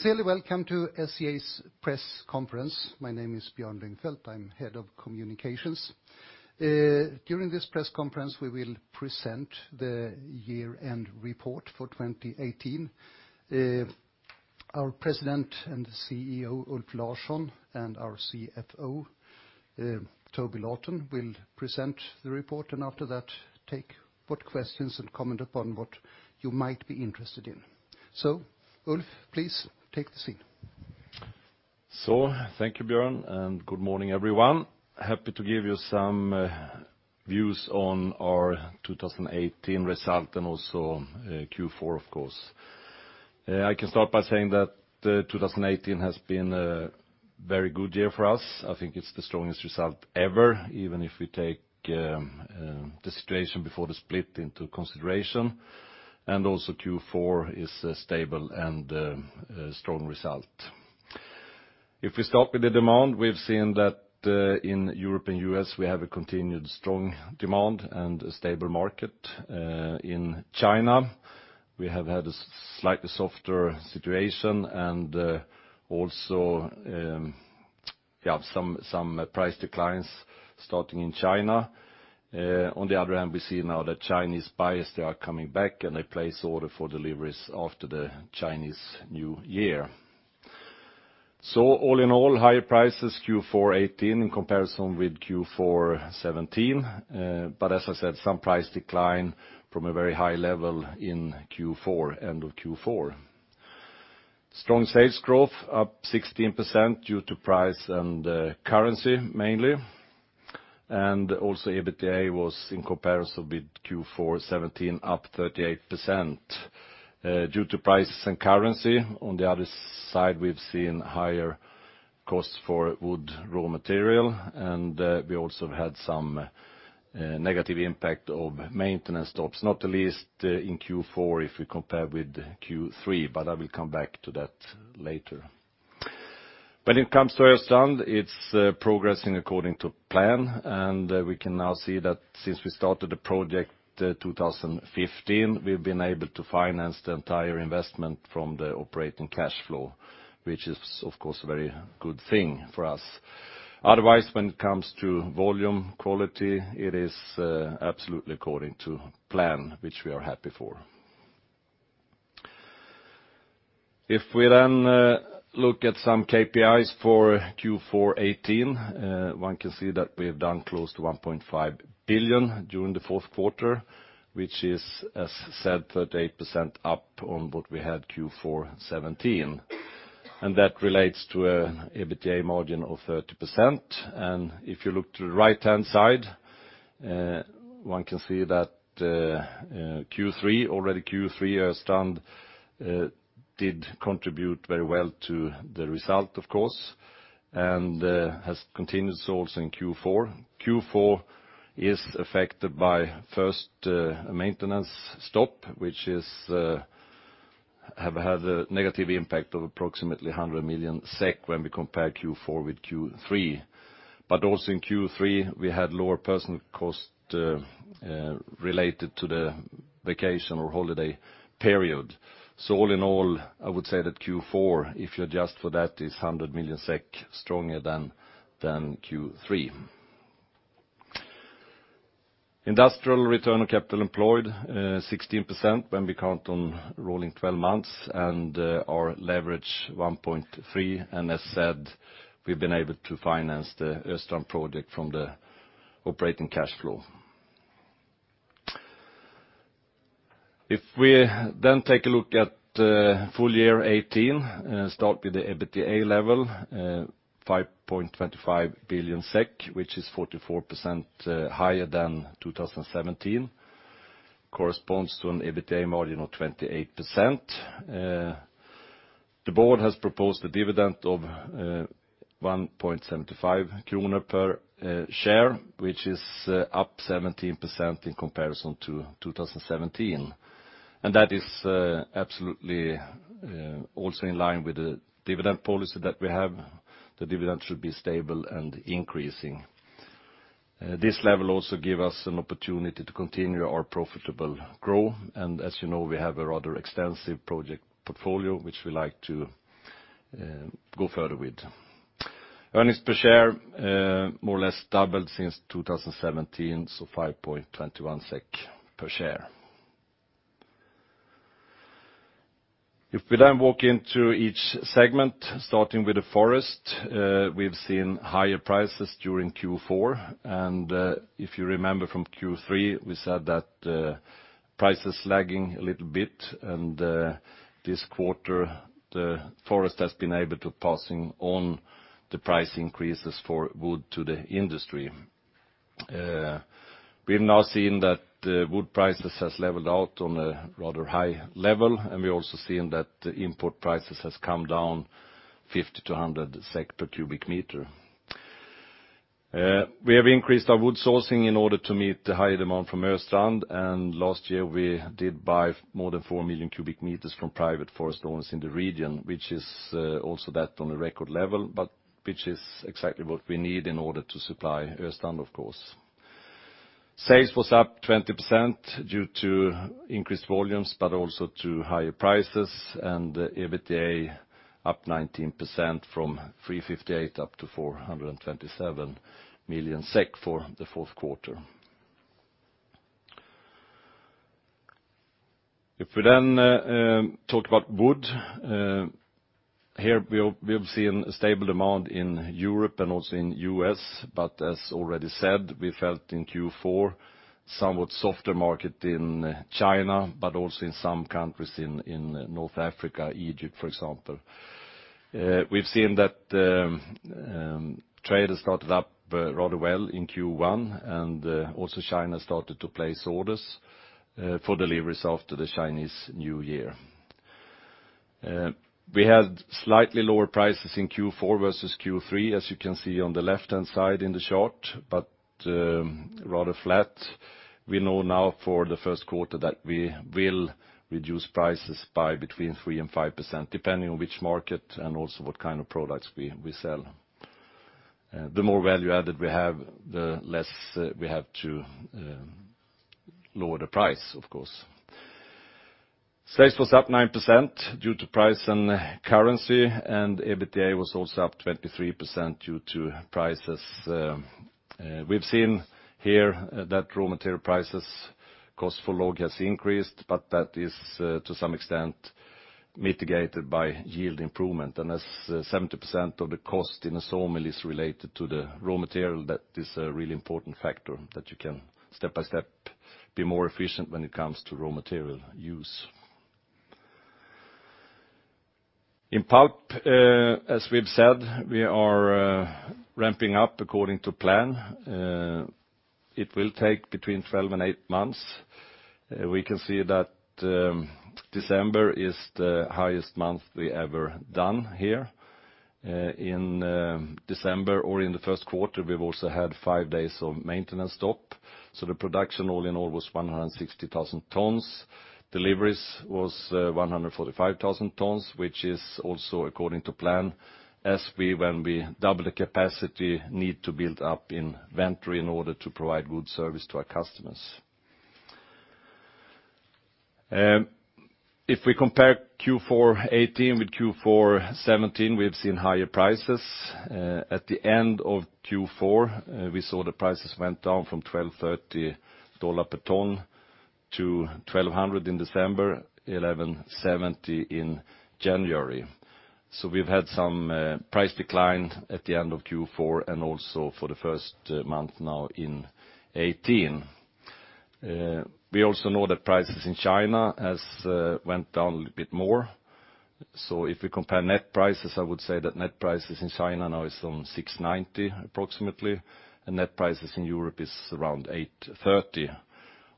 Heartily welcome to SCA's press conference. My name is Björn Lyngfelt. I'm Head of Communications. During this press conference, we will present the year-end report for 2018. Our President and CEO, Ulf Larsson, and our CFO, Toby Lawton, will present the report, and after that take what questions and comment upon what you might be interested in. Ulf, please take the seat. Thank you, Björn, and good morning, everyone. Happy to give you some views on our 2018 result and also Q4, of course. I can start by saying that 2018 has been a very good year for us. I think it's the strongest result ever, even if we take the situation before the split into consideration, and also Q4 is a stable and a strong result. If we start with the demand, we've seen that in Europe and U.S., we have a continued strong demand and a stable market. In China, we have had a slightly softer situation and also some price declines starting in China. On the other hand, we see now that Chinese buyers, they are coming back, and they place order for deliveries after the Chinese New Year. All in all, higher prices Q4 2018 in comparison with Q4 2017, but as I said, some price decline from a very high level in end of Q4. Strong sales growth up 16% due to price and currency mainly, and also EBITDA was in comparison with Q4 2017, up 38%, due to prices and currency. On the other side, we've seen higher costs for wood raw material, and we also had some negative impact of maintenance stops, not least in Q4 if we compare with Q3, but I will come back to that later. When it comes to Östrand, it's progressing according to plan, and we can now see that since we started the project 2015, we've been able to finance the entire investment from the operating cash flow, which is, of course, a very good thing for us. Otherwise, when it comes to volume quality, it is absolutely according to plan, which we are happy for. If we look at some KPIs for Q4 2018, one can see that we have done close to 1.5 billion during the fourth quarter, which is, as said, 38% up on what we had Q4 2017. That relates to an EBITDA margin of 30%. If you look to the right-hand side, one can see that already Q3 Östrand did contribute very well to the result, of course, and has continued so also in Q4. Q4 is affected by first maintenance stop, which have had a negative impact of approximately 100 million SEK when we compare Q4 with Q3. Also in Q3, we had lower personal cost related to the vacation or holiday period. All in all, I would say that Q4, if you adjust for that, is 100 million SEK stronger than Q3. Industrial return on capital employed, 16% when we count on rolling 12 months, and our leverage 1.3. As said, we've been able to finance the Östrand project from the operating cash flow. We then take a look at full year 2018, start with the EBITDA level, 5.25 billion SEK, which is 44% higher than 2017, corresponds to an EBITDA margin of 28%. The board has proposed a dividend of 1.75 kronor per share, which is up 17% in comparison to 2017. That is absolutely also in line with the dividend policy that we have. The dividend should be stable and increasing. This level also give us an opportunity to continue our profitable growth, as you know, we have a rather extensive project portfolio, which we like to go further with. Earnings per share more or less doubled since 2017, so 5.21 SEK per share. We then walk into each segment, starting with the Forest, we've seen higher prices during Q4, if you remember from Q3, we said that price is lagging a little bit, this quarter the Forest has been able to passing on the price increases for wood to the industry. We've now seen that wood prices has leveled out on a rather high level, we're also seeing that import prices has come down 50 to 100 SEK per cubic meter. We have increased our wood sourcing in order to meet the higher demand from Östrand, last year we did buy more than 4 million cubic meters from private forest owners in the region, which is also that on a record level, which is exactly what we need in order to supply Östrand, of course. Sales was up 20% due to increased volumes, but also to higher prices, EBITDA up 19% from 358 up to 427 million SEK for the fourth quarter. We then talk about Wood, here we have seen a stable demand in Europe and also in U.S., as already said, we felt in Q4 somewhat softer market in China, also in some countries in North Africa, Egypt, for example. We've seen that trade has started up rather well in Q1, also China started to place orders for deliveries after the Chinese New Year. We had slightly lower prices in Q4 versus Q3, as you can see on the left-hand side in the chart, but rather flat. We know now for the first quarter that we will reduce prices by between 3% and 5%, depending on which market and also what kind of products we sell. The more value added we have, the less we have to lower the price, of course. Sales was up 9% due to price and currency, EBITDA was also up 23% due to prices. We've seen here that raw material prices, cost for log has increased, that is to some extent mitigated by yield improvement. As 70% of the cost in a sawmill is related to the raw material, that is a really important factor, that you can step-by-step be more efficient when it comes to raw material use. In Pulp, as we've said, we are ramping up according to plan. It will take between 12 and 18 months. We can see that December is the highest month we ever done here. in the first quarter, we've also had five days of maintenance stop, so the production all in all was 160,000 tons. Deliveries was 145,000 tons, which is also according to plan, as when we double the capacity, need to build up inventory in order to provide good service to our customers. If we compare Q4 2018 with Q4 2017, we've seen higher prices. At the end of Q4, we saw the prices went down from $1,230 per ton to $1,200 in December, $1,170 in January. So we've had some price decline at the end of Q4, and also for the first month now in 2018. We also know that prices in China has went down a little bit more. So if we compare net prices, I would say that net prices in China now is on $690, approximately, and net prices in Europe is around $830.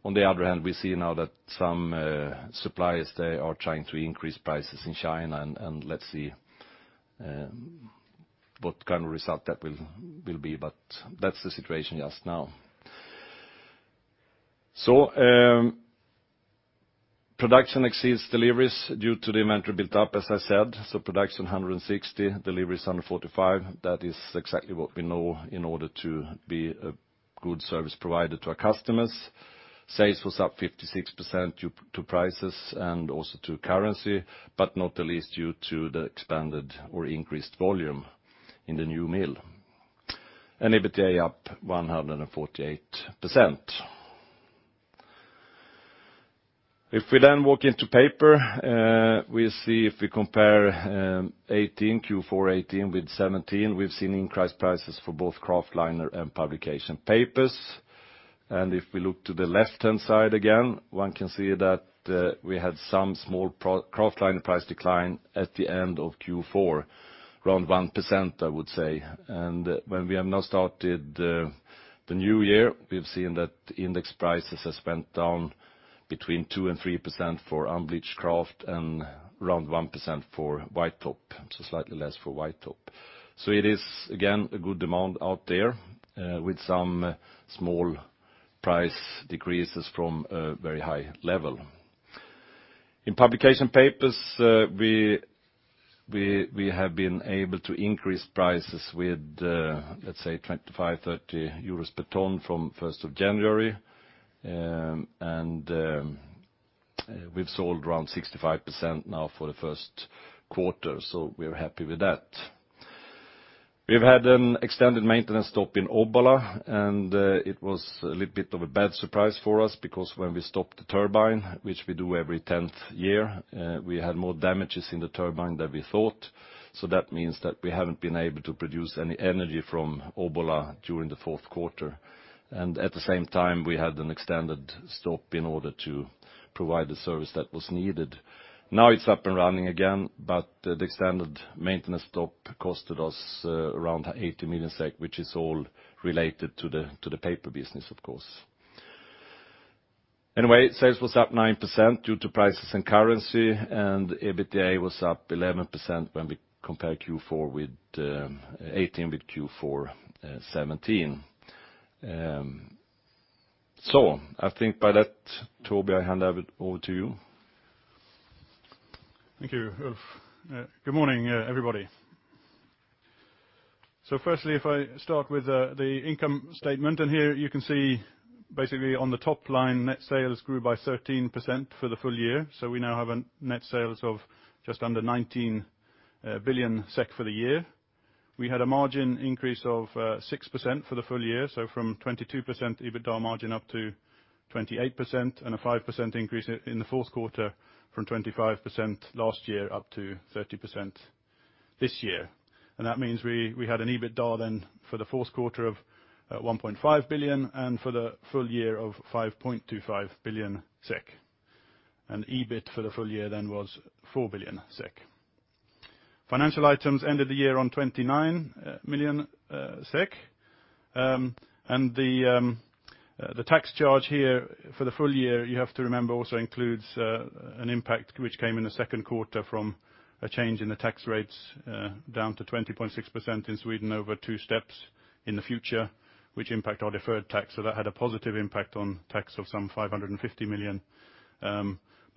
On the other hand, we see now that some suppliers, they are trying to increase prices in China, and let's see what kind of result that will be, but that's the situation just now. Production exceeds deliveries due to the inventory built up, as I said. Production 160,000, deliveries 145,000. That is exactly what we know in order to be a good service provider to our customers. Sales was up 56% due to prices and also to currency, but not the least due to the expanded or increased volume in the new mill. EBITDA up 148%. If we then walk into Paper, we see if we compare Q4 2018 with 2017, we've seen increased prices for both kraftliner and publication papers. If we look to the left-hand side again, one can see that we had some small kraftliner price decline at the end of Q4, around 1%, I would say. When we have now started the new year, we've seen that index prices has went down between 2% and 3% for unbleached kraft and around 1% for white top, so slightly less for white top. So it is again, a good demand out there, with some small price decreases from a very high level. In publication papers, we have been able to increase prices with, let's say 25 euros, 30 euros per ton from January 1st, and we've sold around 65% now for the first quarter, so we're happy with that. We've had an extended maintenance stop in Obbola, and it was a little bit of a bad surprise for us because when we stopped the turbine, which we do every 10th year, we had more damages in the turbine than we thought, so that means that we haven't been able to produce any energy from Obbola during the fourth quarter. At the same time, we had an extended stop in order to provide the service that was needed. Now it is up and running again, but the extended maintenance stop cost us around 80 million SEK, which is all related to the Paper business, of course. Sales were up 9% due to prices and currency, and EBITDA was up 11% when we compare Q4 2018 with Q4 2017. I think by that, Toby, I hand over to you. Thank you, Ulf. Good morning, everybody. Firstly, if I start with the income statement, here you can see basically on the top line, net sales grew by 13% for the full year. We now have net sales of just under 19 billion SEK for the year. We had a margin increase of 6% for the full year, from 22% EBITDA margin up to 28%, and a 5% increase in the fourth quarter from 25% last year up to 30% this year. That means we had an EBITDA then for the fourth quarter of 1.5 billion, and for the full year of 5.25 billion SEK. EBIT for the full year then was 4 billion SEK. Financial items ended the year on 29 million SEK. The tax charge here for the full year, you have to remember, also includes an impact which came in the second quarter from a change in the tax rates down to 20.6% in Sweden over two steps in the future, which impact our deferred tax. That had a positive impact on tax of some 550 million.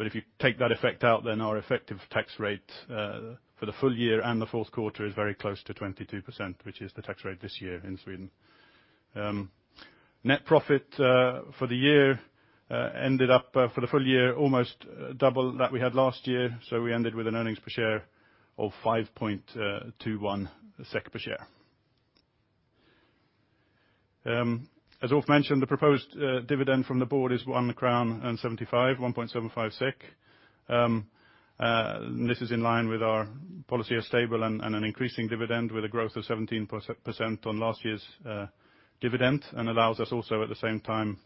If you take that effect out, our effective tax rate, for the full year and the fourth quarter, is very close to 22%, which is the tax rate this year in Sweden. Net profit for the year ended up for the full year almost double that we had last year. We ended with an earnings per share of 5.21 SEK per share. As Ulf mentioned, the proposed dividend from the board is 1.75 SEK. This is in line with our policy of stable and an increasing dividend with a growth of 17% on last year's dividend and allows us also, at the same time,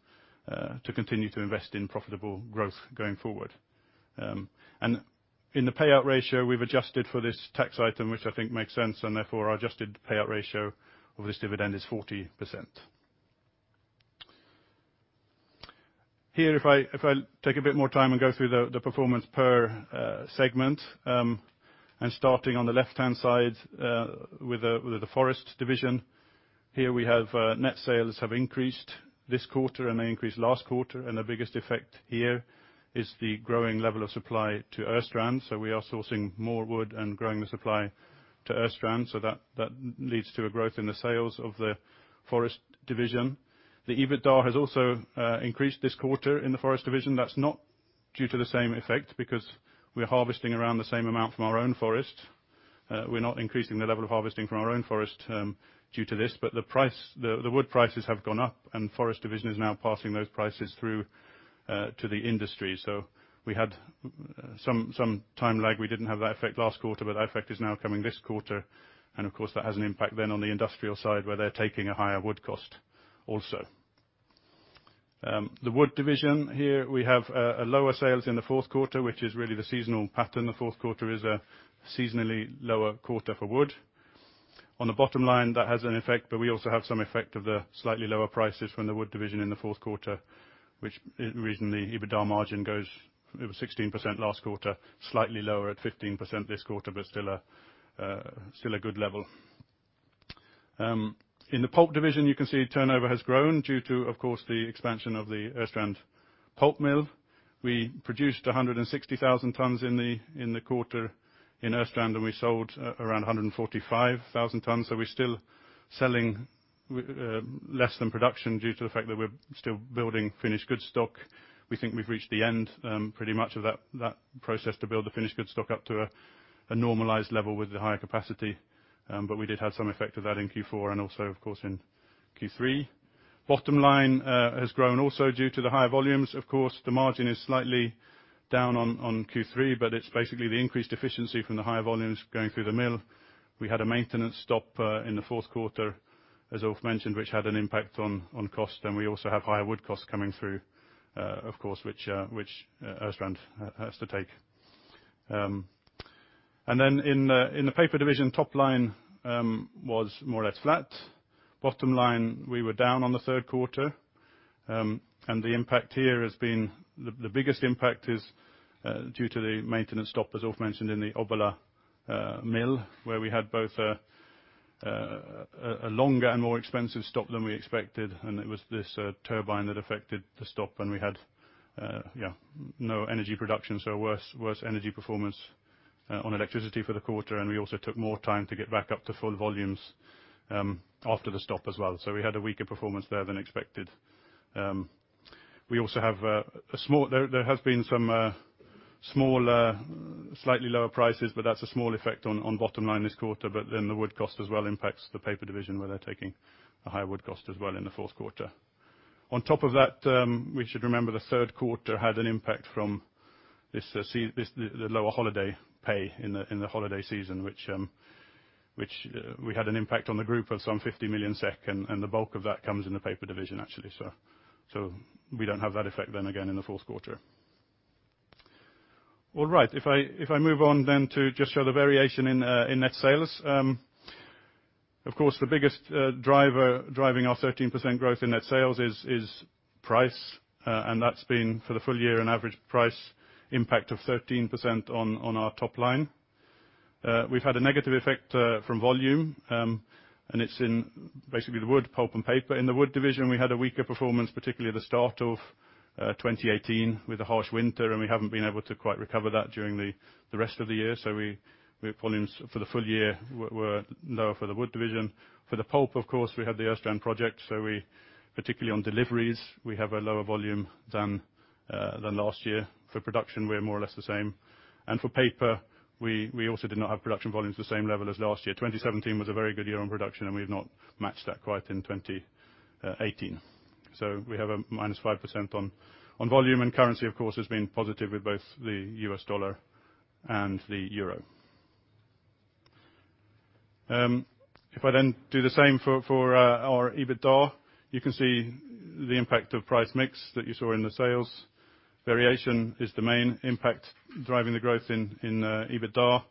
to continue to invest in profitable growth going forward. In the payout ratio, we have adjusted for this tax item, which I think makes sense, and therefore our adjusted payout ratio of this dividend is 40%. If I take a bit more time and go through the performance per segment, starting on the left-hand side with the Forest division. We have net sales have increased this quarter and they increased last quarter, and the biggest effect here is the growing level of supply to Östrand. We are sourcing more wood and growing the supply to Östrand, that leads to a growth in the sales of the Forest division. The EBITDA has also increased this quarter in the Forest division. That's not due to the same effect because we're harvesting around the same amount from our own forest. We're not increasing the level of harvesting from our own forest due to this, but the wood prices have gone up and Forest division is now passing those prices through to the industry. We had some time lag. We did not have that effect last quarter, but that effect is now coming this quarter. Of course, that has an impact then on the industrial side where they're taking a higher wood cost also. The Wood division here, we have lower sales in the fourth quarter, which is really the seasonal pattern. The fourth quarter is a seasonally lower quarter for wood. On the bottom line, that has an effect, we also have some effect of the slightly lower prices from the Wood division in the fourth quarter, which is the reason the EBITDA margin goes, it was 16% last quarter, slightly lower at 15% this quarter, but still a good level. In the Pulp division, you can see turnover has grown due to, of course, the expansion of the Östrand pulp mill. We produced 160,000 tons in the quarter in Östrand, and we sold around 145,000 tons. We're still selling less than production due to the fact that we're still building finished goods stock. We think we've reached the end pretty much of that process to build the finished goods stock up to a normalized level with the higher capacity. We did have some effect of that in Q4 and also, of course, in Q3. Bottom line has grown also due to the higher volumes. Of course, the margin is slightly down on Q3, but it's basically the increased efficiency from the higher volumes going through the mill. We had a maintenance stop in the fourth quarter, as Ulf mentioned, which had an impact on cost. We also have higher wood costs coming through, of course, which Östrand has to take. In the Paper division, top line was more or less flat. Bottom line, we were down on the third quarter. The biggest impact is due to the maintenance stop, as Ulf mentioned, in the Obbola mill, where we had both a longer and more expensive stop than we expected, and it was this turbine that affected the stop, and we had no energy production, so worse energy performance on electricity for the quarter. We also took more time to get back up to full volumes after the stop as well. We had a weaker performance there than expected. There has been some slightly lower prices, that's a small effect on bottom line this quarter. The wood cost as well impacts the Paper division where they're taking a higher wood cost as well in the fourth quarter. On top of that, we should remember the third quarter had an impact from the lower holiday pay in the holiday season, which we had an impact on the group of some 50 million SEK, and the bulk of that comes in the Paper division, actually. We don't have that effect then again in the fourth quarter. All right. If I move on then to just show the variation in net sales. Of course, the biggest driver driving our 13% growth in net sales is price. That's been for the full year an average price impact of 13% on our top line. We've had a negative effect from volume, and it's in basically the Wood, Pulp, and Paper. In the Wood division, we had a weaker performance, particularly at the start of 2018 with the harsh winter, and we haven't been able to quite recover that during the rest of the year. Volumes for the full year were lower for the Wood division. For the Pulp, of course, we had the Östrand project, so particularly on deliveries, we have a lower volume than last year. For production, we are more or less the same. For Paper, we also did not have production volumes the same level as last year. 2017 was a very good year on production. We've not matched that quite in 2018. We have a minus 5% on volume. Currency, of course, has been positive with both the U.S. dollar and the euro. If I do the same for our EBITDA, you can see the impact of price mix that you saw in the sales. Variation is the main impact driving the growth in EBITDA.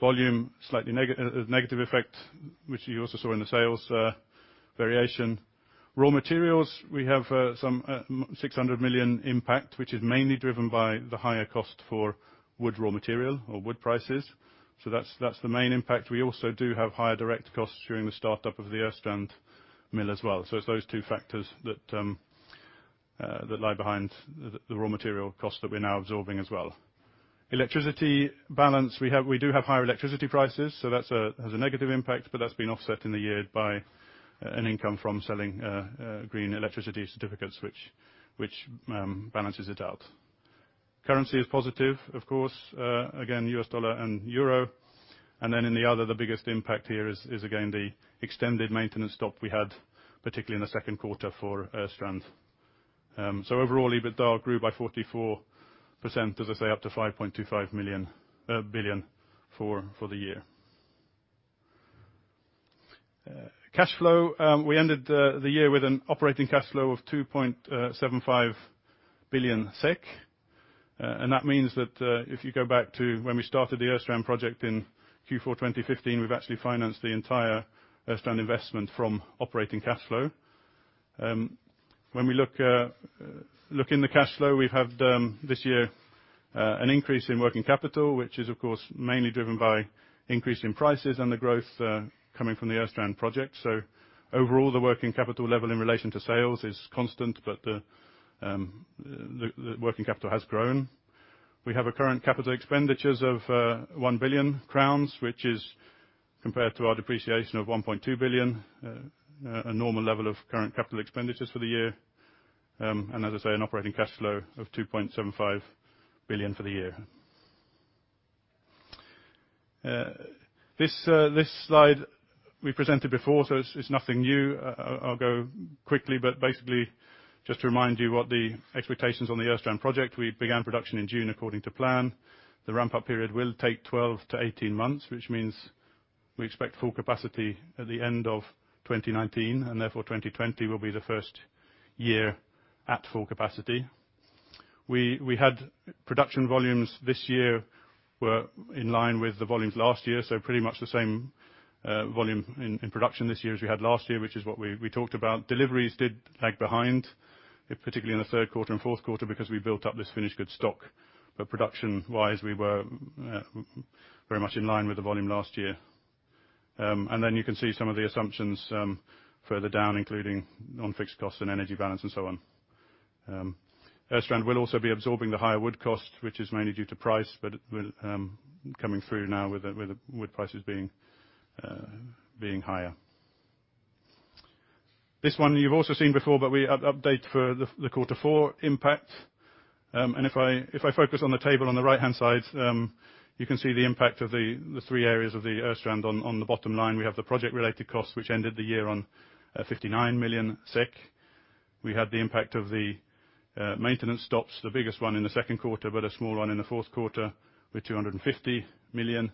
Volume, slightly negative effect, which you also saw in the sales variation. Raw materials, we have some 600 million impact, which is mainly driven by the higher cost for wood raw material or wood prices. That's the main impact. We also do have higher direct costs during the startup of the Östrand mill as well. It's those two factors that lie behind the raw material cost that we're now absorbing as well. Electricity balance, we do have higher electricity prices. That has a negative impact, but that's been offset in the year by an income from selling green electricity certificates, which balances it out. Currency is positive, of course, again, U.S. dollar and euro. In the other, the biggest impact here is, again, the extended maintenance stop we had, particularly in the second quarter for Östrand. Overall, EBITDA grew by 44%, as I say, up to 5.25 billion for the year. Cash flow. We ended the year with an operating cash flow of 2.75 billion SEK. That means that, if you go back to when we started the Östrand project in Q4 2015, we've actually financed the entire Östrand investment from operating cash flow. When we look in the cash flow, we have, this year, an increase in working capital, which is, of course, mainly driven by increase in prices and the growth coming from the Östrand project. Overall, the working capital level in relation to sales is constant, but the working capital has grown. We have a current capital expenditures of 1 billion crowns, which is compared to our depreciation of 1.2 billion, a normal level of current capital expenditures for the year. As I say, an operating cash flow of 2.75 billion for the year. This slide we presented before, so it's nothing new. I'll go quickly. Basically, just to remind you what the expectations on the Östrand project. We began production in June, according to plan. The ramp-up period will take 12 to 18 months, which means we expect full capacity at the end of 2019. Therefore, 2020 will be the first year at full capacity. Production volumes this year were in line with the volumes last year. Pretty much the same volume in production this year as we had last year, which is what we talked about. Deliveries did lag behind, particularly in the third quarter and fourth quarter, because we built up this finished good stock. Production-wise, we were very much in line with the volume last year. You can see some of the assumptions further down, including on fixed costs and energy balance and so on. Östrand will also be absorbing the higher wood cost, which is mainly due to price coming through now with the wood prices being higher. This one you've also seen before, we update for the quarter four impact. If I focus on the table on the right-hand side, you can see the impact of the three areas of the Östrand on the bottom line. We have the project-related cost, which ended the year on 59 million SEK. We had the impact of the maintenance stops, the biggest one in the second quarter, but a small one in the fourth quarter with 250 million.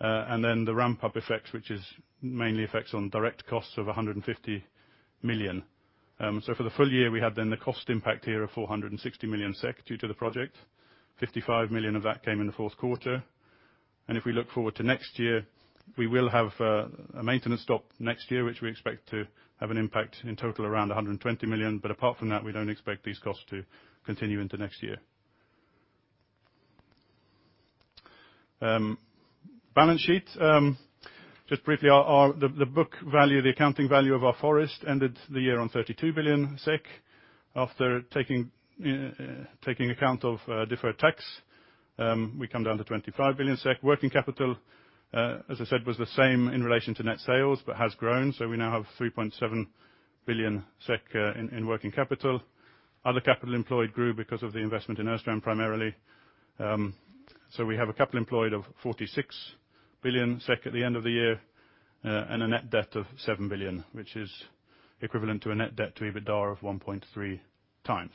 The ramp-up effect, which mainly affects on direct costs of 150 million. For the full year, we had then the cost impact here of 460 million SEK due to the project. 55 million of that came in the fourth quarter. If we look forward to next year, we will have a maintenance stop next year, which we expect to have an impact in total around 120 million. Apart from that, we don't expect these costs to continue into next year. Balance sheet. Just briefly, the book value, the accounting value of our forest ended the year on 32 billion SEK. After taking account of deferred tax, we come down to 25 billion SEK. Working capital, as I said, was the same in relation to net sales but has grown. We now have 3.7 billion SEK in working capital. Other capital employed grew because of the investment in Östrand, primarily. We have a capital employed of 46 billion SEK at the end of the year and a net debt of 7 billion, which is equivalent to a net debt to EBITDA of 1.3x.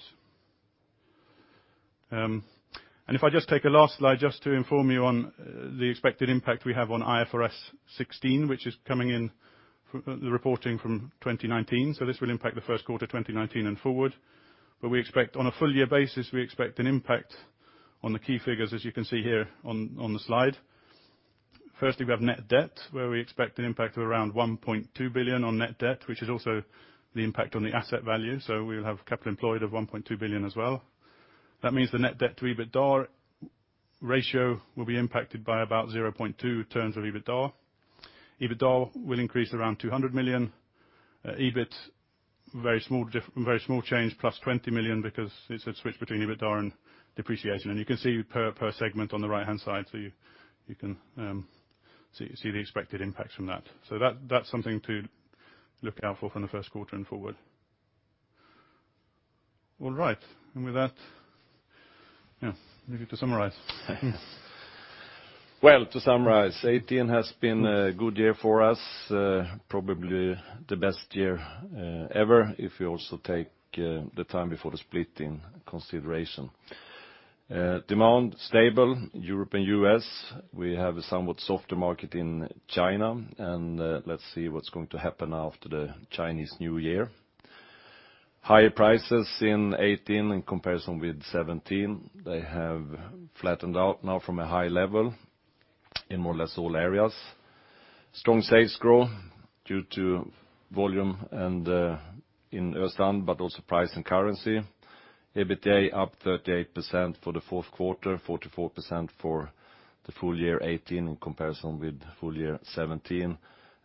If I just take the last slide just to inform you on the expected impact we have on IFRS 16, which is coming in the reporting from 2019. This will impact the first quarter 2019 and forward. On a full year basis, we expect an impact on the key figures, as you can see here on the slide. Firstly, we have net debt, where we expect an impact of around 1.2 billion on net debt, which is also the impact on the asset value. We'll have capital employed of 1.2 billion as well. That means the net debt to EBITDA ratio will be impacted by about 0.2 terms of EBITDA. EBITDA will increase around 200 million. EBIT, very small change, plus 20 million because it's a switch between EBITDA and depreciation. You can see per segment on the right-hand side, you can see the expected impacts from that. That's something to look out for from the first quarter and forward. All right. With that, leave you to summarize. Well, to summarize, 2018 has been a good year for us. Probably the best year ever, if you also take the time before the split in consideration. Demand stable, Europe and U.S. We have a somewhat softer market in China and let's see what's going to happen after the Chinese New Year. Higher prices in 2018 in comparison with 2017. They have flattened out now from a high level in more or less all areas. Strong sales growth due to volume and in Östrand, but also price and currency. EBITDA up 38% for the fourth quarter, 44% for the full year 2018 in comparison with full year 2017,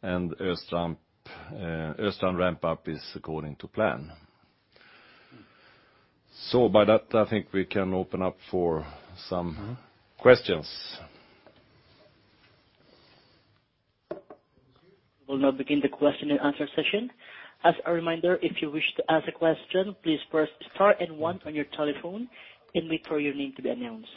and Östrand ramp-up is according to plan. By that, I think we can open up for some questions. We'll now begin the question and answer session. As a reminder, if you wish to ask a question, please press star and one on your telephone and wait for your name to be announced.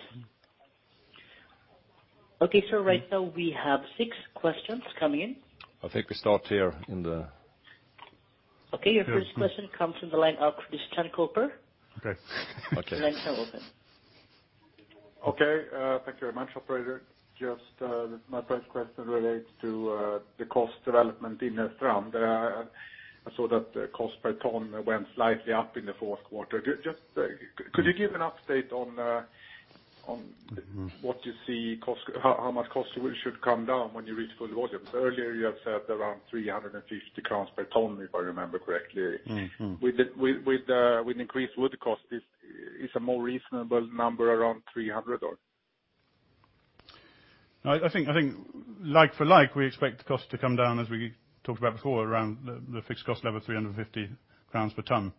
Okay, right now we have six questions coming in. I think we start here in the Okay. Your first question comes from the line of Christian Kopfer. Okay. The line is now open. Okay. Thank you very much, operator. My first question relates to the cost development in Östrand. I saw that the cost per ton went slightly up in the fourth quarter. Could you give an update on what you see how much cost should come down when you reach full volume? Earlier, you have said around 350 crowns per ton, if I remember correctly. With increased wood cost, is a more reasonable number around SEK 300 or? Like for like, we expect the cost to come down, as we talked about before, around the fixed cost level, 350 crowns per ton.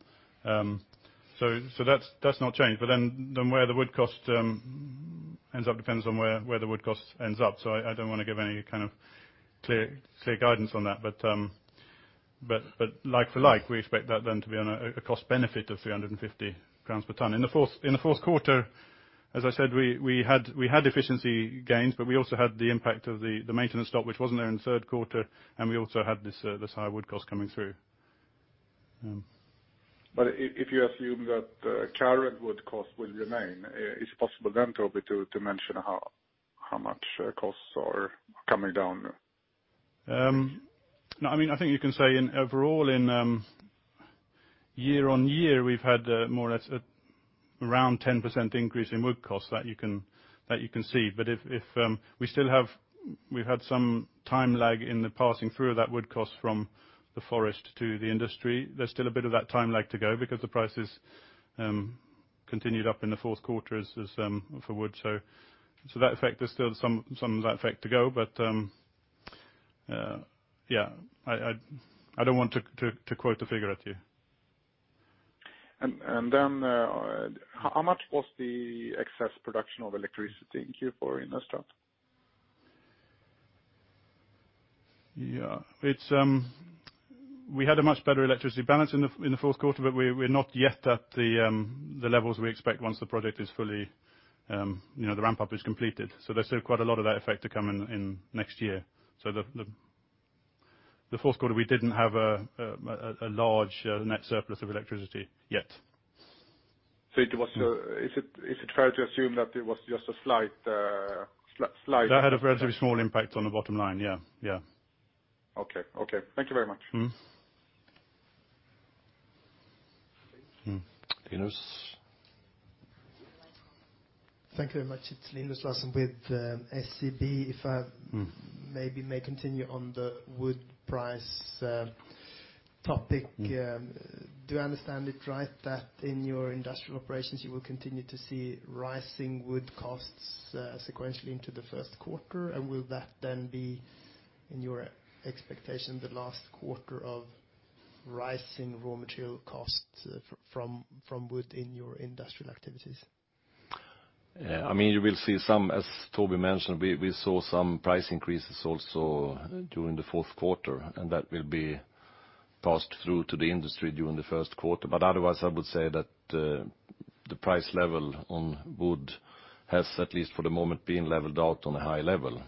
That's not changed. Where the wood cost ends up depends on where the wood cost ends up. I don't want to give any kind of clear guidance on that. Like for like, we expect that then to be on a cost benefit of 350 per ton. In the fourth quarter, as I said, we had efficiency gains, but we also had the impact of the maintenance stop, which wasn't there in the third quarter, and we also had this higher wood cost coming through. If you assume that current wood cost will remain, it's possible then, Toby, to mention how much costs are coming down? No, I think you can say overall in year-over-year, we've had more or less around 10% increase in wood cost that you can see. We've had some time lag in the passing through of that wood cost from the Forest to the industry. There's still a bit of that time lag to go because the prices continued up in the fourth quarter for wood, so there's still some of that effect to go, but yeah, I don't want to quote a figure at you. How much was the excess production of electricity in Q4 in Östrand? Yeah. We had a much better electricity balance in the fourth quarter, we're not yet at the levels we expect once the project is the ramp-up is completed. There's still quite a lot of that effect to come in next year. The fourth quarter, we didn't have a large net surplus of electricity yet. Is it fair to assume that it was just. That had a relatively small impact on the bottom line. Yeah. Okay. Thank you very much. Linus. Thank you very much. It's Linus Larsson with SEB. I may continue on the wood price topic. Do I understand it right that in your industrial operations, you will continue to see rising wood costs sequentially into the first quarter? Will that then be, in your expectation, the last quarter of rising raw material costs from wood in your industrial activities? You will see some, as Toby mentioned, we saw some price increases also during the fourth quarter, That will be passed through to the industry during the first quarter. Otherwise, I would say that the price level on wood has, at least for the moment, been leveled out on a high level.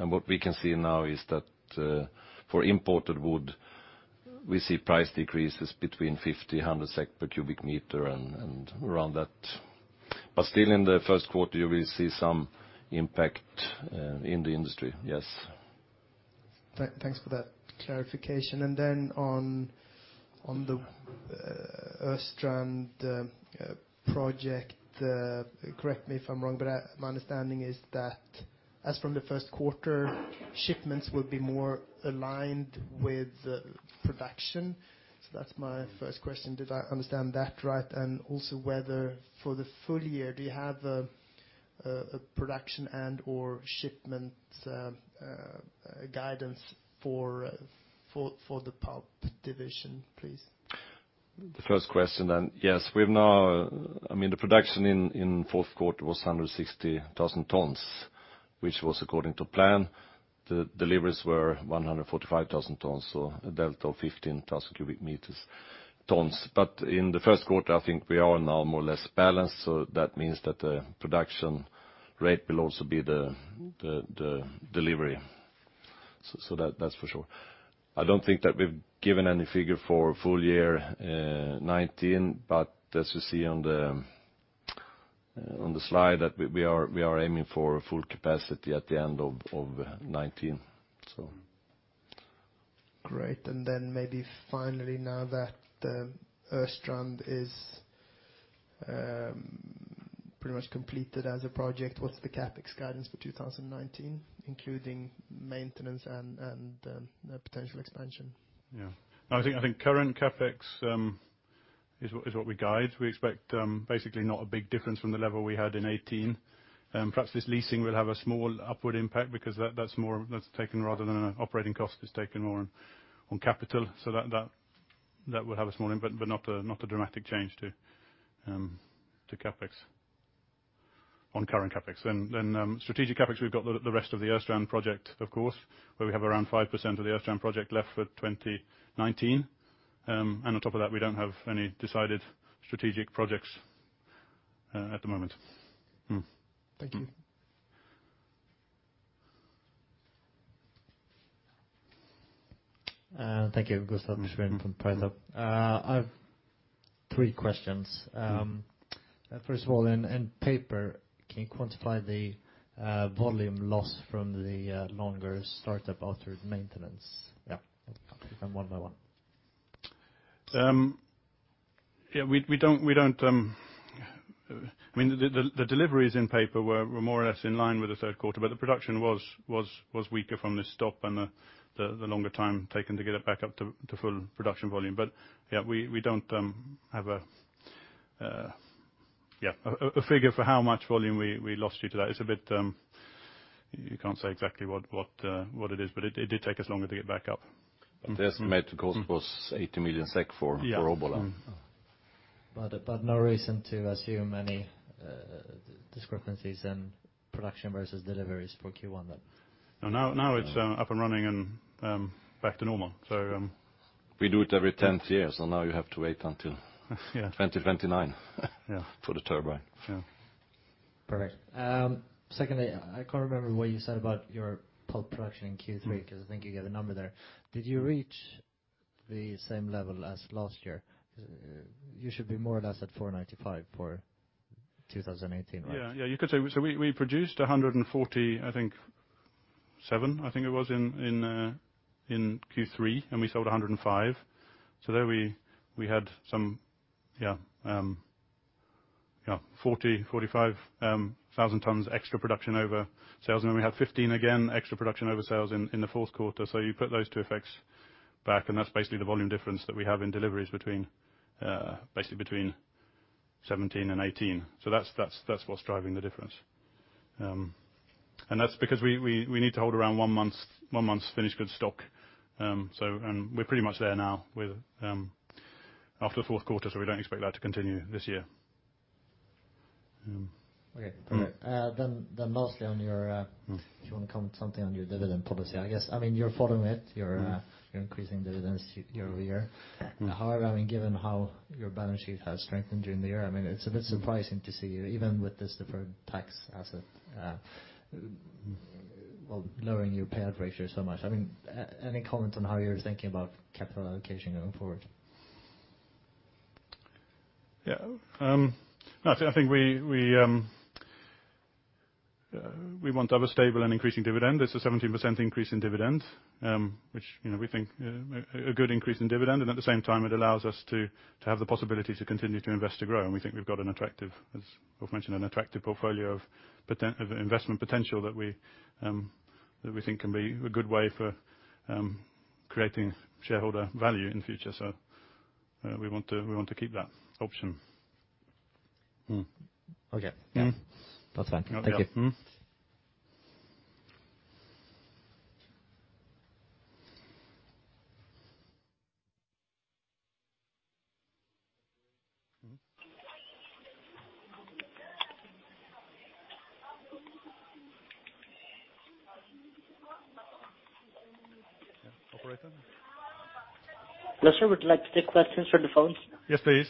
What we can see now is that for imported wood, we see price decreases between 50-100 SEK per cubic meter and around that. Still in the first quarter, you will see some impact in the industry, yes. Thanks for that clarification. Then on the Östrand project, correct me if I'm wrong, my understanding is that as from the first quarter, shipments will be more aligned with production. That's my first question. Did I understand that right? Also whether, for the full year, do you have a production and/or shipment guidance for the Pulp division, please? The first question, then. Yes. The production in fourth quarter was 160,000 tons, which was according to plan. The deliveries were 145,000 tons, a delta of 15,000 cubic tons. In the first quarter, I think we are now more or less balanced. That means that the production rate will also be the delivery. That's for sure. I don't think that we've given any figure for full year 2019, as you see on the slide, that we are aiming for full capacity at the end of 2019. Great. Maybe finally, now that the Östrand is pretty much completed as a project, what's the CapEx guidance for 2019, including maintenance and potential expansion? Yeah. I think current CapEx is what we guide. We expect basically not a big difference from the level we had in 2018. Perhaps this leasing will have a small upward impact because that's taken rather than an operating cost, is taken more on capital. That will have a small input, but not a dramatic change to CapEx, on current CapEx. Strategic CapEx, we've got the rest of the Östrand project, of course, where we have around 5% of the Östrand project left for 2019. On top of that, we don't have any decided strategic projects at the moment. Thank you. Thank you. Gustav [Sjöberg from Privathop]. I have three questions. First of all, in Paper, can you quantify the volume loss from the longer startup altered maintenance? Yeah. One by one. The deliveries in Paper were more or less in line with the third quarter, the production was weaker from the stop and the longer time taken to get it back up to full production volume. We don't have a figure for how much volume we lost due to that. You can't say exactly what it is, it did take us longer to get back up. The estimated cost was 80 million SEK for Obbola. No reason to assume any discrepancies in production versus deliveries for Q1 then? No, now it's up and running and back to normal. We do it every 10 years, so now you have to wait until 2029 for the turbine. Yeah. Perfect. Secondly, I can't remember what you said about your pulp production in Q3. I think you gave the number there. Did you reach the same level as last year? You should be more or less at 495 for 2018, right? Yeah. You could say, so we produced 140, I think, 147, I think it was, in Q3, and we sold 105. There we had some 40,000, 45,000 tons extra production over sales. We had 15 again, extra production over sales in the fourth quarter. You put those two effects back, and that's basically the volume difference that we have in deliveries basically between 2017 and 2018. That's what's driving the difference. That's because we need to hold around one month's finished goods stock. We're pretty much there now after the fourth quarter, so we don't expect that to continue this year. Okay, perfect. Mostly, do you want to comment something on your dividend policy? You're following it. You're increasing dividends year-over-year. However, given how your balance sheet has strengthened during the year, it's a bit surprising to see, even with this deferred tax asset, lowering your payout ratio so much. Any comment on how you're thinking about capital allocation going forward? Yeah. I think we want to have a stable and increasing dividend. This is a 17% increase in dividend, which we think a good increase in dividend, at the same time, it allows us to have the possibility to continue to invest to grow. We think we've got, as Ulf mentioned, an attractive portfolio of investment potential that we think can be a good way for creating shareholder value in the future. We want to keep that option. Okay. Yeah. That's fine. Thank you. Mm-hmm. Operator? Yes, sir. Would you like to take questions from the phones? Yes, please.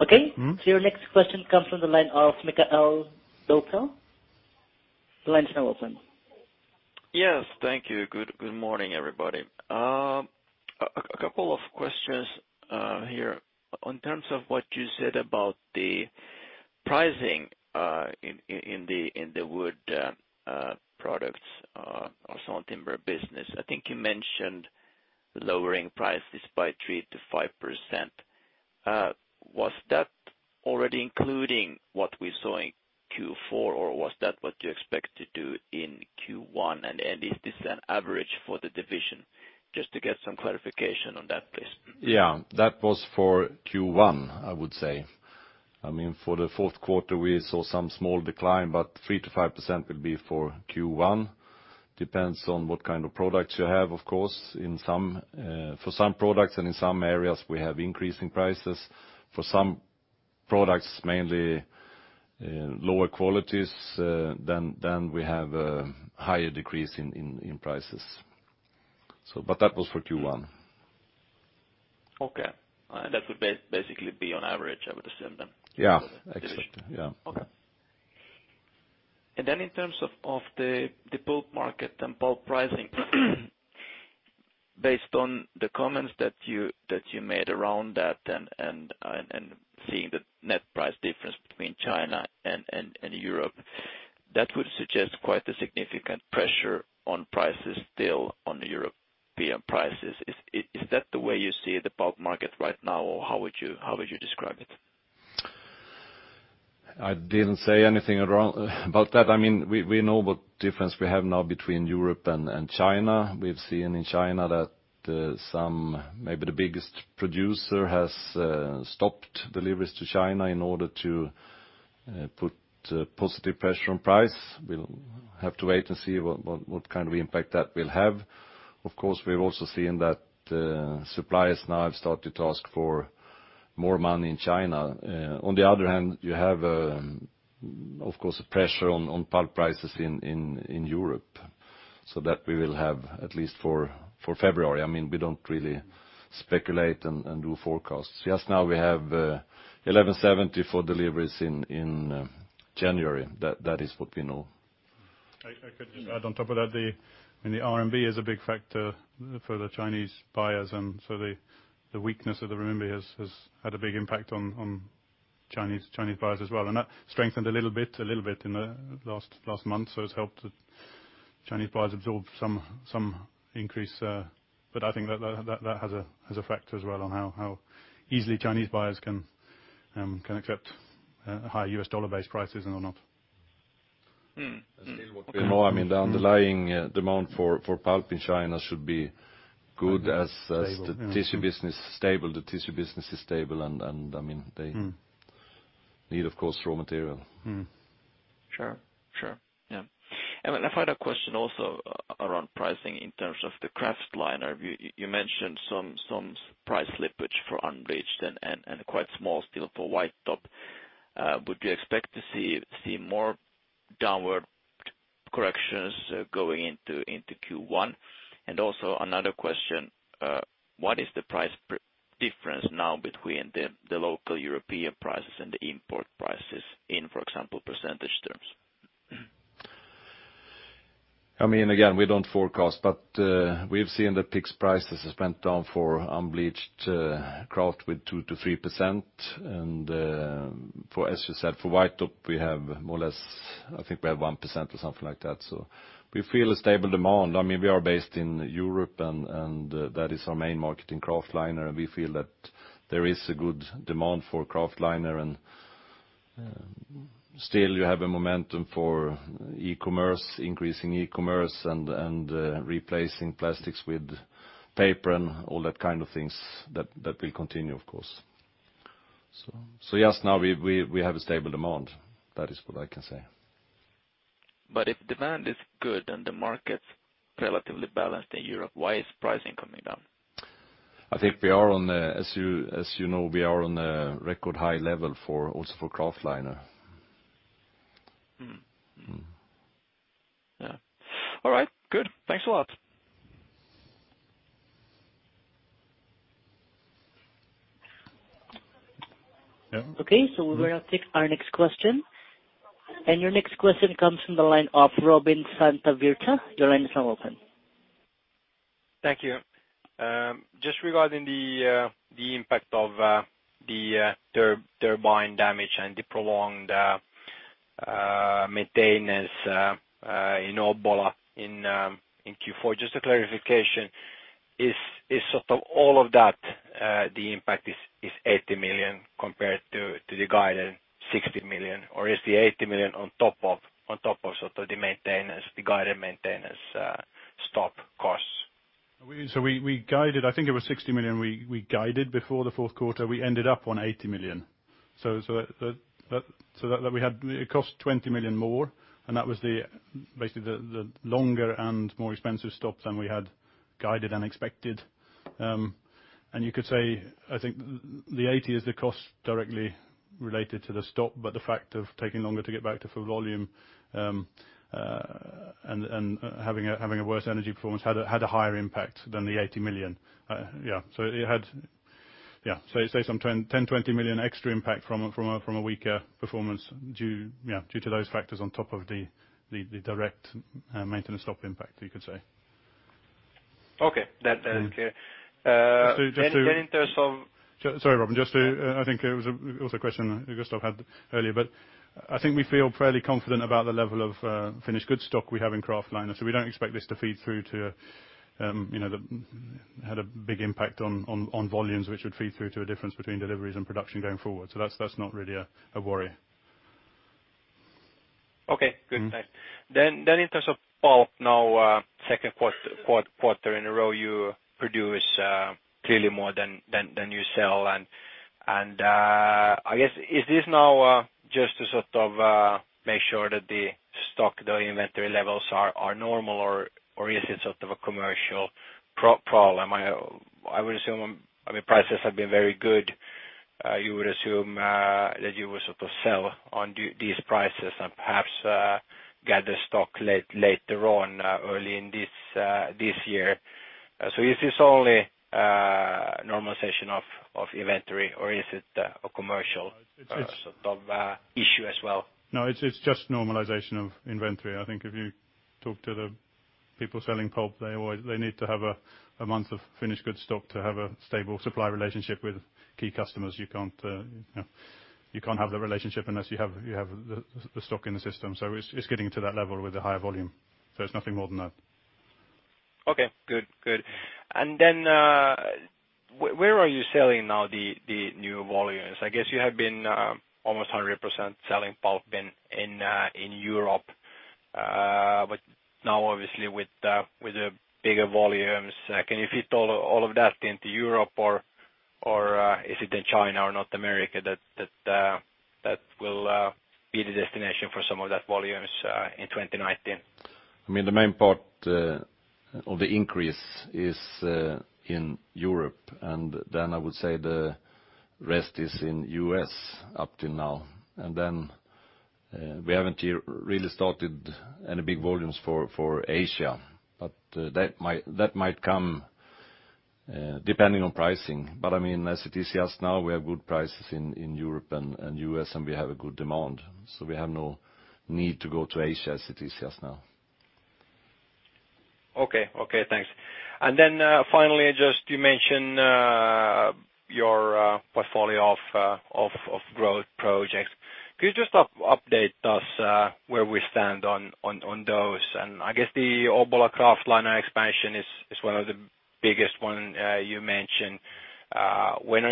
Okay. Your next question comes from the line of Mikael Dohlke. Your line is now open. Yes. Thank you. Good morning, everybody. A couple of questions here. In terms of what you said about the pricing in the wood products or sawn timber business, I think you mentioned lowering prices by 3%-5%. Was that already including what we saw in Q4, or was that what you expect to do in Q1? If this is an average for the division, just to get some clarification on that, please. That was for Q1, I would say. For the fourth quarter, we saw some small decline, 3%-5% will be for Q1. Depends on what kind of products you have, of course. For some products and in some areas, we have increasing prices. For some products, mainly lower qualities, then we have a higher decrease in prices. That was for Q1. Okay. That would basically be on average, I would assume then. Exactly. Okay. In terms of the pulp market and pulp pricing, based on the comments that you made around that and seeing the net price difference between China and Europe, that would suggest quite a significant pressure on prices still on European prices. Is that the way you see the pulp market right now, or how would you describe it? I didn't say anything about that. We know what difference we have now between Europe and China. We've seen in China that maybe the biggest producer has stopped deliveries to China in order to put positive pressure on price. We'll have to wait and see what kind of impact that will have. Of course, we've also seen that suppliers now have started to ask for more money in China. On the other hand, you have, of course, a pressure on pulp prices in Europe. That we will have at least for February. We don't really speculate and do forecasts. Just now we have $1,170 for deliveries in January. That is what we know. I could just add on top of that, the RMB is a big factor for the Chinese buyers, the weakness of the RMB has had a big impact on Chinese buyers as well. That strengthened a little bit in the last month, so it's helped Chinese buyers absorb some increase. I think that has a factor as well on how easily Chinese buyers can accept higher U.S. dollar-based prices or not. The underlying demand for pulp in China should be good as the tissue business is stable, and they need, of course, raw material. Sure. Yeah. I had a question also around pricing in terms of the kraftliner. You mentioned some price slippage for unbleached and quite small still for white top. Would you expect to see more downward corrections going into Q1? Also another question, what is the price difference now between the local European prices and the import prices in, for example, percentage terms? We don't forecast, but we have seen that peak prices has went down for unbleached kraft with 2%-3%. As you said, for white top, I think we have 1% or something like that. We feel a stable demand. We are based in Europe, and that is our main market in kraftliner, and we feel that there is a good demand for kraftliner, and still you have a momentum for e-commerce, increasing e-commerce and replacing plastics with paper and all that kind of things, that will continue, of course. Yes, now we have a stable demand. That is what I can say. If demand is good and the market's relatively balanced in Europe, why is pricing coming down? I think, as you know, we are on a record high level also for kraftliner. Yeah. All right, good. Thanks a lot. Okay, we will now take our next question. Your next question comes from the line of Robin Santavirta. Your line is now open. Thank you. Just regarding the impact of the turbine damage and the prolonged maintenance in Obbola in Q4. Just a clarification, is sort of all of that the impact is 80 million compared to the guided 60 million? Or is the 80 million on top of sort of the guided maintenance stop costs? I think it was 60 million we guided before the fourth quarter. We ended up on 80 million. It cost 20 million more, That was basically the longer and more expensive stop than we had guided and expected. You could say, I think the 80 is the cost directly related to the stop, but the fact of taking longer to get back to full volume and having a worse energy performance had a higher impact than the 80 million. Yeah. Say some 10 million, 20 million extra impact from a weaker performance due to those factors on top of the direct maintenance stop impact, you could say. Okay. That is clear. Sorry, Robin. I think it was also a question Gustav had earlier, but I think we feel fairly confident about the level of finished goods stock we have in kraftliner. We don't expect this to feed through to have had a big impact on volumes, which would feed through to a difference between deliveries and production going forward. That's not really a worry. Okay, good. Thanks. In terms of pulp now, second quarter in a row, you produce clearly more than you sell. I guess, is this now just to sort of make sure that the stock, the inventory levels are normal or is it sort of a commercial problem? I would assume, prices have been very good. You would assume that you would sort of sell on these prices and perhaps get the stock later on early this year. Is this only a normalization of inventory or is it a commercial sort of issue as well? No, it's just normalization of inventory. I think if you talk to the people selling pulp, they need to have a month of finished goods stock to have a stable supply relationship with key customers. You can't have the relationship unless you have the stock in the system. It's getting to that level with the higher volume. It's nothing more than that. Okay, good. Where are you selling now the new volumes? I guess you have been almost 100% selling pulp in Europe. Now obviously with the bigger volumes, can you fit all of that into Europe or is it in China or North America that will be the destination for some of that volumes in 2019? I mean, the main part of the increase is in Europe, the rest is in U.S. up till now. We haven't yet really started any big volumes for Asia, that might come depending on pricing. As it is just now, we have good prices in Europe and U.S., and we have a good demand. We have no need to go to Asia as it is just now. Okay. Thanks. Finally, just you mentioned your portfolio of growth projects. Could you just update us where we stand on those? I guess the Obbola kraftliner expansion is one of the biggest one you mentioned. When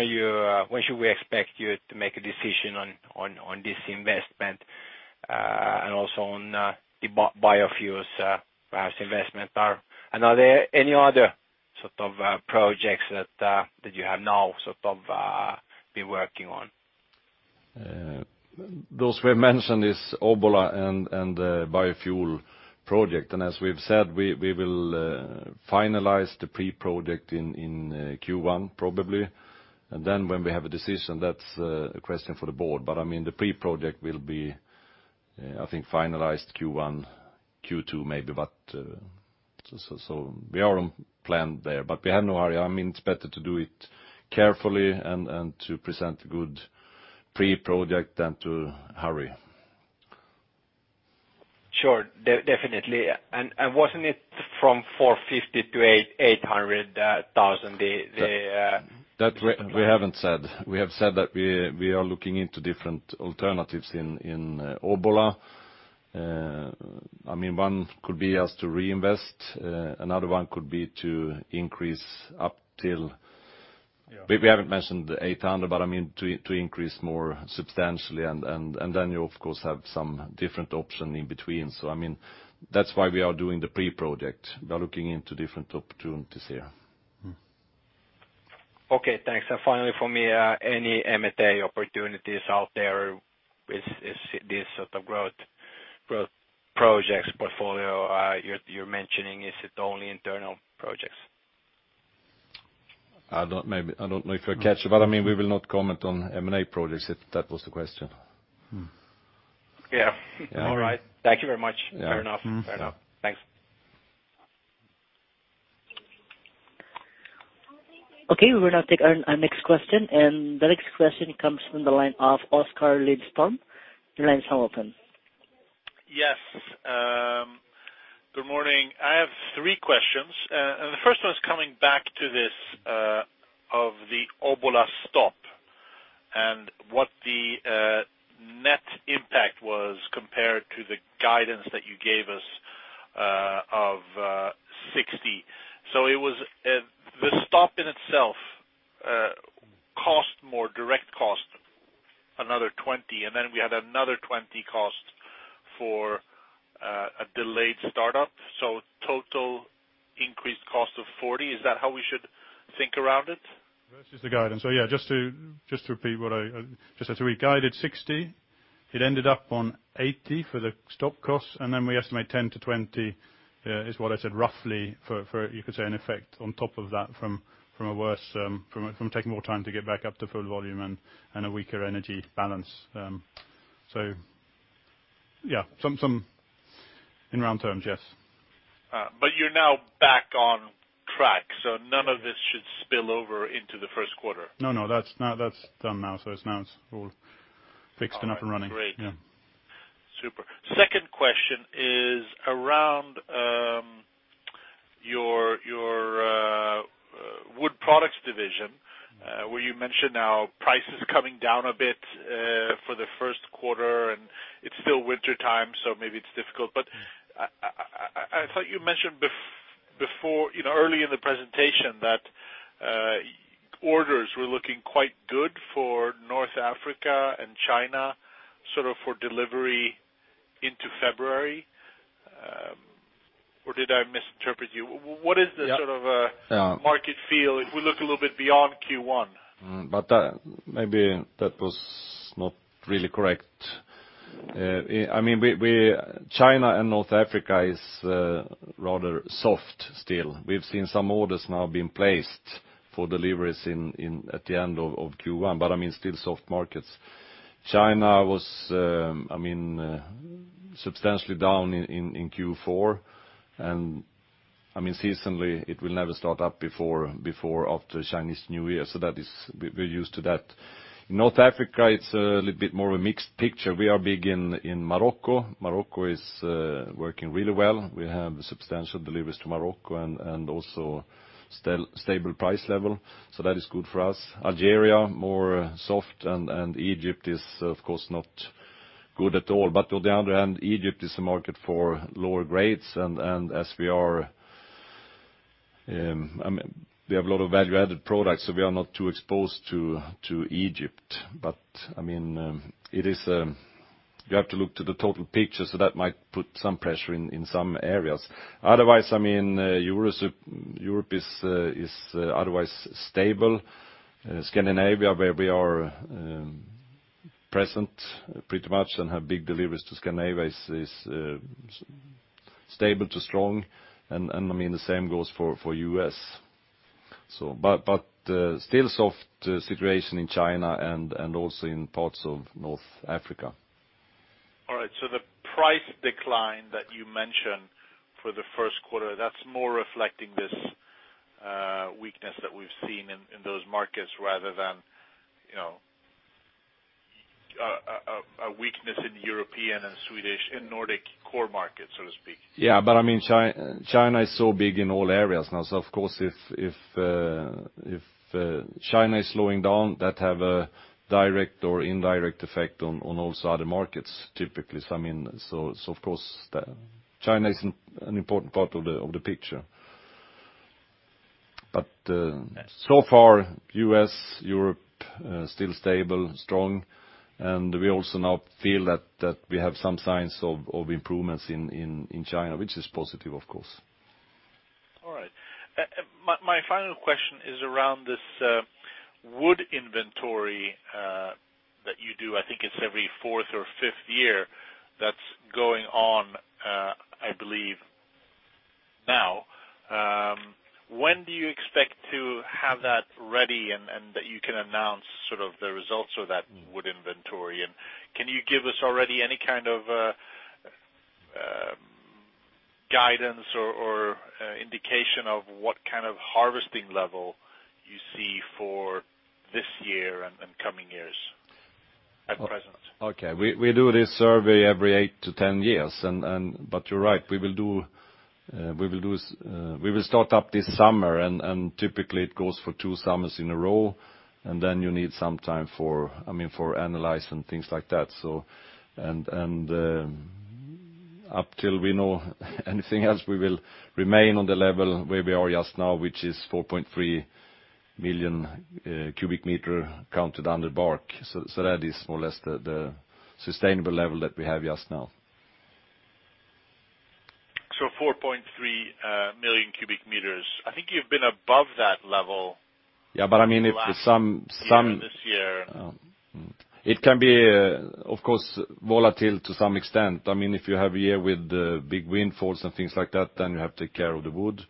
should we expect you to make a decision on this investment? Also on the biofuels perhaps investment. Are there any other sort of projects that you have now sort of been working on? Those we have mentioned is Obbola and the biofuel project. As we've said, we will finalize the pre-project in Q1 probably. When we have a decision, that's a question for the board. I mean the pre-project will be, I think, finalized Q1, Q2 maybe. We are on plan there, we have no hurry. It's better to do it carefully and to present a good pre-project than to hurry. Sure. Definitely. Wasn't it from 450,000 to 800,000? That we haven't said. We have said that we are looking into different alternatives in Obbola. One could be just to reinvest. Another one could be to increase up till Yeah. We haven't mentioned the 800, to increase more substantially, then you of course have some different option in between. That's why we are doing the pre-project, by looking into different opportunities here. Okay, thanks. Finally from me, any M&A opportunities out there with this sort of growth projects portfolio you're mentioning? Is it only internal projects? I don't know if I catch, we will not comment on M&A projects, if that was the question. Yeah. All right. Thank you very much. Yeah. Fair enough. Thanks. Okay, we will now take our next question. The next question comes from the line of Oskar Lindström. Your line's now open. Yes. Good morning. I have three questions. The first one's coming back to this, of the Obbola stop and what the net impact was compared to the guidance that you gave us of 60. The stop in itself cost more direct cost another 20, and then we had another 20 cost for a delayed startup. Total increased cost of 40. Is that how we should think around it? Versus the guidance. Just to repeat what I just said. We guided 60. It ended up on 80 for the stop cost. We estimate 10-20, is what I said roughly for, you could say an effect on top of that from taking more time to get back up to full volume and a weaker energy balance. In round terms, yes. You're now back on track, none of this should spill over into the first quarter? No, that's done now. It's now all fixed and up and running. All right. Great. Yeah. Super. Second question is around your Wood products division, where you mentioned now prices coming down a bit for the first quarter, and it's still wintertime, so maybe it's difficult. I thought you mentioned early in the presentation that orders were looking quite good for North Africa and China for delivery into February. Did I misinterpret you? What is the market feel if we look a little bit beyond Q1? Maybe that was not really correct. China and North Africa is rather soft still. We've seen some orders now being placed for deliveries at the end of Q1, but still soft markets. China was substantially down in Q4, and seasonally, it will never start up before after Chinese New Year, so we're used to that. North Africa, it's a little bit more of a mixed picture. We are big in Morocco. Morocco is working really well. We have substantial deliveries to Morocco and also stable price level. That is good for us. Algeria, more soft, and Egypt is, of course, not good at all. On the other hand, Egypt is a market for lower grades, and we have a lot of value-added products, so we are not too exposed to Egypt. You have to look to the total picture, so that might put some pressure in some areas. Europe is otherwise stable. Scandinavia, where we are present pretty much and have big deliveries to Scandinavia, is stable to strong. The same goes for U.S. Still soft situation in China and also in parts of North Africa. All right. The price decline that you mentioned for the first quarter, that's more reflecting this weakness that we've seen in those markets rather than a weakness in European and Swedish, in Nordic core markets, so to speak. China is so big in all areas now. If China is slowing down, that has a direct or indirect effect on also other markets, typically. China is an important part of the picture. So far, U.S., Europe, still stable, strong. We also now feel that we have some signs of improvements in China, which is positive, of course. My final question is around this Wood inventory that you do. I think it is every fourth or fifth year that is going on, I believe now. When do you expect to have that ready and that you can announce the results of that Wood inventory? Can you give us already any kind of guidance or indication of what kind of harvesting level you see for this year and coming years at present? We do this survey every 8 to 10 years. You are right. We will start up this summer, and typically it goes for two summers in a row, and then you need some time for analyzing things like that. Up till we know anything else, we will remain on the level where we are just now, which is 4.3 million cubic meter counted under bark. That is more or less the sustainable level that we have just now. 4.3 million cubic meters. I think you have been above that level- Yeah, I mean, if In the last year, this year. It can be, of course, volatile to some extent. If you have a year with big windfalls and things like that, then you have to take care of the wood,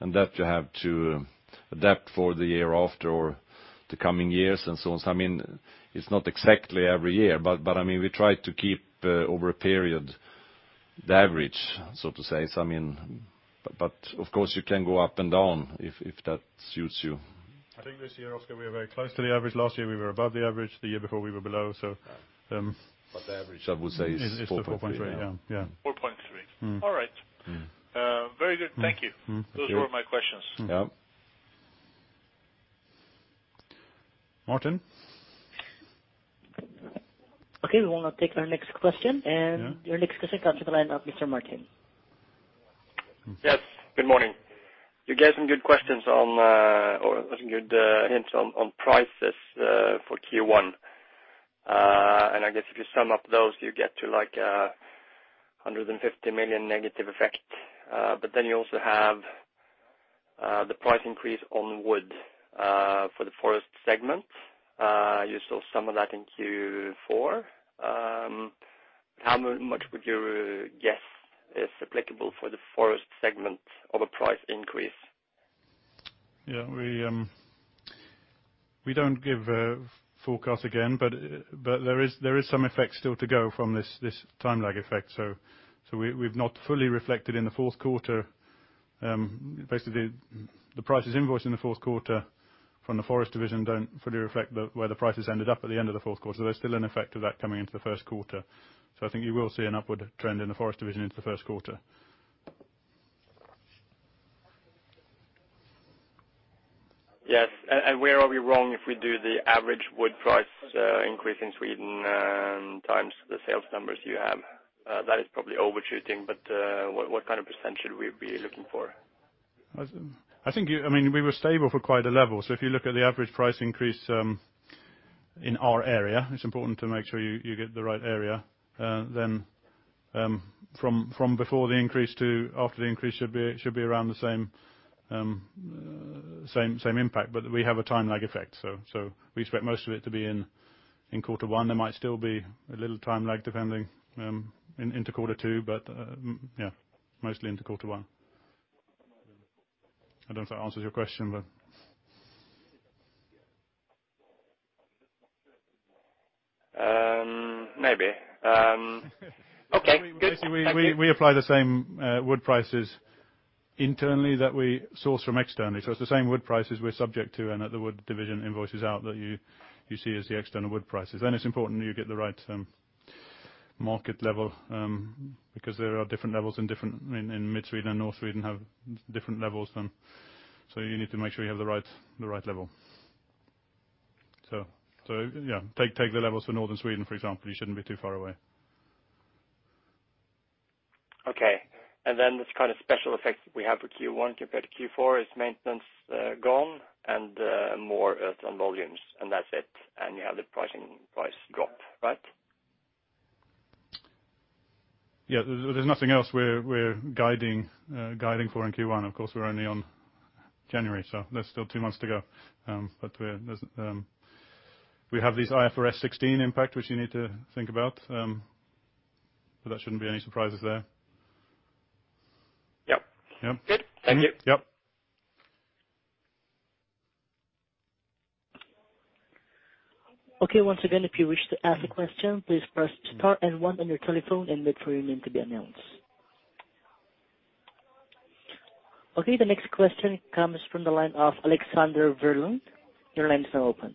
and that you have to adapt for the year after or the coming years and so on. It's not exactly every year, we try to keep over a period the average, so to say. Of course, you can go up and down if that suits you. I think this year, Oskar, we are very close to the average. Last year, we were above the average. The year before we were below. The average, I would say, is 4.3. Is the 4.3, yeah. 4.3. All right. Very good. Thank you. Those were my questions. Yeah. Martin? Okay, we will now take our next question, and your next question comes from the line of Mr. Martin. Yes. Good morning. You gave some good questions on, or some good hints on prices for Q1. I guess if you sum up those, you get to 150 million negative effect. You also have the price increase on Wood for the Forest segment. You saw some of that in Q4. How much would you guess is applicable for the Forest segment of a price increase? We don't give a forecast again, there is some effect still to go from this time lag effect. We've not fully reflected in the fourth quarter, basically the prices invoiced in the fourth quarter from the Forest division don't fully reflect where the prices ended up at the end of the fourth quarter. There's still an effect of that coming into the first quarter. I think you will see an upward trend in the Forest division into the first quarter. Yes. Where are we wrong if we do the average Wood price increase in Sweden times the sales numbers you have? That is probably overshooting, what kind of percentage should we be looking for? We were stable for quite a level. If you look at the average price increase in our area, it's important to make sure you get the right area, then from before the increase to after the increase, it should be around the same impact. We have a time lag effect, we expect most of it to be in quarter one. There might still be a little time lag depending, into quarter two, mostly into quarter one. I don't know if that answers your question. Maybe. Okay, good. Thank you. We apply the same wood prices internally that we source from externally. It's the same wood prices we're subject to, and that the Wood division invoices out that you see as the external wood prices. It's important that you get the right market level, because there are different levels in mid-Sweden and Northern Sweden have different levels. You need to make sure you have the right level. Take the levels for Northern Sweden, for example. You shouldn't be too far away. Okay. Then this kind of special effect that we have for Q1 compared to Q4, is maintenance gone and more on volumes, and that's it. You have the pricing price drop, right? Yeah. There's nothing else we're guiding for in Q1. Of course, we're only on January, there's still two months to go. We have this IFRS 16 impact, which you need to think about, there shouldn't be any surprises there. Yep. Yep. Good. Thank you. Yep. Okay. Once again, if you wish to ask a question, please press star and one on your telephone and wait for your name to be announced. Okay. The next question comes from the line of Alexander Berglund. Your line is now open.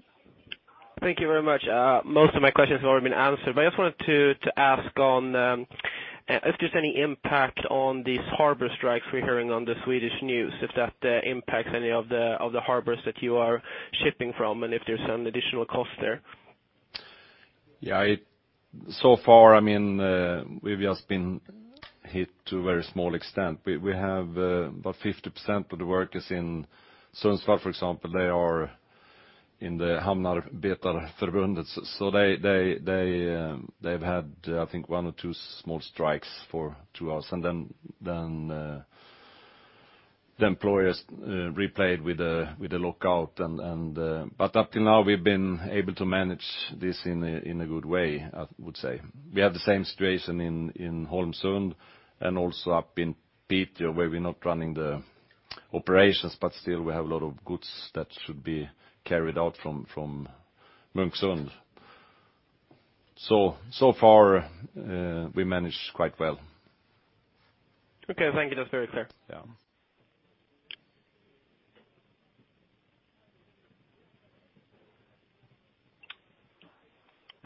Thank you very much. Most of my questions have already been answered, but I just wanted to ask if there's any impact on these harbor strikes we're hearing on the Swedish news, if that impacts any of the harbors that you are shipping from, and if there's some additional cost there? Far, we've just been hit to a very small extent. We have about 50% of the workers in Sundsvall, for example. They are in the Hamnarbetarförbundet. They've had, I think, one or two small strikes for two hours, and then the employers replayed with a lockout. Up till now, we've been able to manage this in a good way, I would say. We have the same situation in Holmsund and also up in Piteå, where we're not running the operations, but still we have a lot of goods that should be carried out from Munksund. Far, we managed quite well. Okay. Thank you. That's very clear.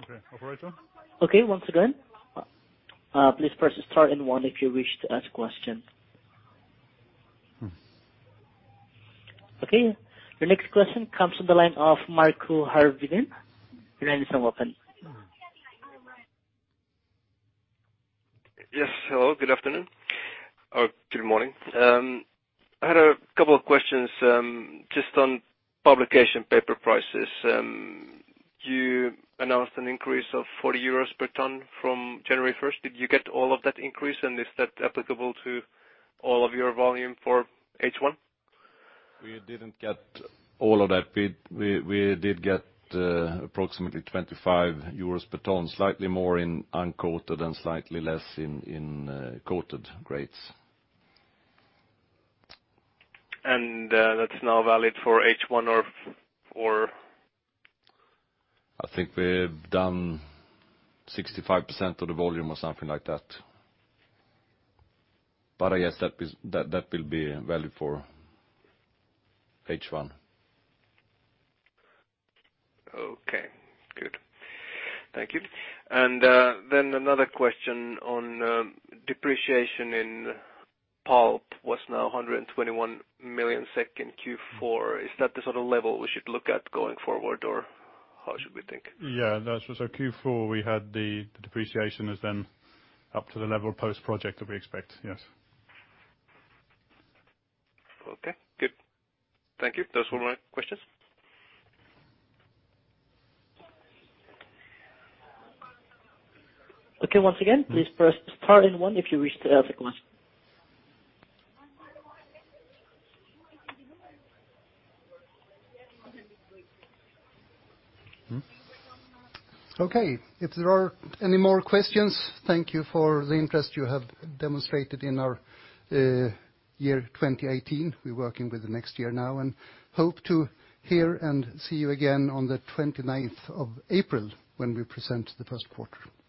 Yeah. Okay. Operator? Okay. Once again, please press star and one if you wish to ask a question. Okay. The next question comes from the line of Marco Harvidin. Your line is now open. Yes. Hello. Good afternoon, or good morning. I had a couple of questions just on publication paper prices. You announced an increase of 40 euros per ton from January 1st. Did you get all of that increase, and is that applicable to all of your volume for H1? We didn't get all of that. We did get approximately 25 euros per ton, slightly more in uncoated, and slightly less in coated grades. That's now valid for H1, or? I think we've done 65% of the volume or something like that. Yes, that will be valid for H1. Okay, good. Thank you. Another question on depreciation in Pulp, was now 121 million in Q4. Is that the sort of level we should look at going forward, or how should we think? Yeah. Q4, we had the depreciation is then up to the level post-project that we expect. Yes. Okay, good. Thank you. Those were my questions. Okay. Once again, please press star and one if you wish to ask a question. Okay. If there are any more questions, thank you for the interest you have demonstrated in our year 2018. We're working with the next year now, and hope to hear and see you again on the April 29th, when we present the first quarter. Thank you.